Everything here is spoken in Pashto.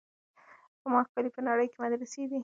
په ما ښکلي په نړۍ کي مدرسې دي